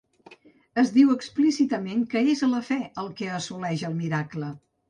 Es diu explícitament que és la fe el que assoleix el miracle.